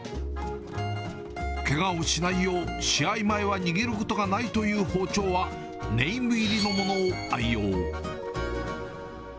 けがをしないよう、試合前は握ることがないという包丁は、ネーム入りのものを愛用。